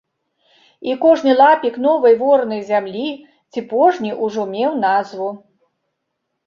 І кожны лапік новай ворнай зямлі ці пожні ўжо меў назву.